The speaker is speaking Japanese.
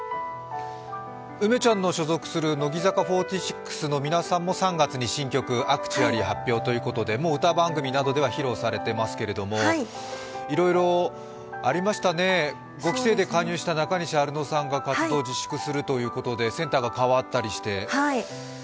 梅ちゃんの所属する乃木坂４６の皆さんも、３月に新曲「Ａｃｔｕａｌｌｙ．．．」発表ということでもう歌番組などでは披露されてますけれども、いろいろありましたね、５期生で加入した中西アルノさんが活動自粛するということでセンターが代わったりして。